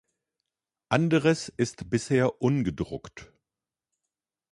Anderes ist bisher ungedruckt.